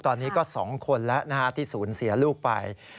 ตอนนี้ก็๒คนแล้วที่ศูนย์เสียลูกไป